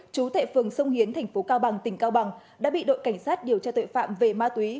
chú thệ phường sông hiến thành phố cao bằng tỉnh cao bằng đã bị đội cảnh sát điều tra tội phạm về ma túy